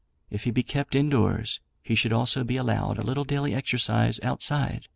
If he be kept indoors, he should also be allowed a little daily exercise outside.